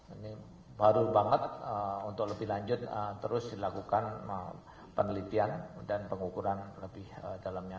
ini baru banget untuk lebih lanjut terus dilakukan penelitian dan pengukuran lebih dalamnya